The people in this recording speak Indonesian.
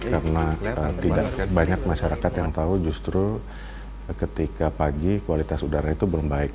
karena tidak banyak masyarakat yang tahu justru ketika pagi kualitas udara itu belum baik